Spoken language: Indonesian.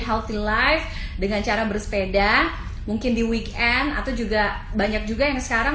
healthy life dengan cara bersepeda mungkin di weekend atau juga banyak juga yang sekarang